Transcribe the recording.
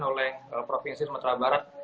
oleh provinsi sumatera barat